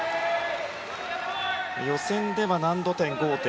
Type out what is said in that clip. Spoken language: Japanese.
予選では難度点５．８。